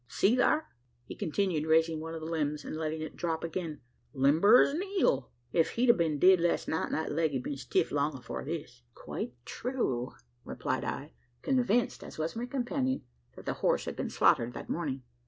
See thar!" he continued, raising one of the limbs, and letting it drop again; "limber as a eel! Ef he'd a been dead last night, the leg'd been stiff long afore this." "Quite true," replied I, convinced, as was my companion, that the horse had been slaughtered that morning.